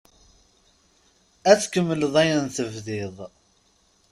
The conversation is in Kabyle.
Ad tkemmleḍ ayen tebdiḍ.